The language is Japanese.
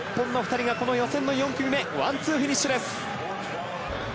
この予選４組目ワンツーフィニッシュです。